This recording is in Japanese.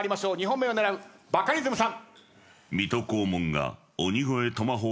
２本目を狙うバカリズムさん。